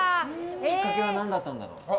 きっかけは何だったんだろう。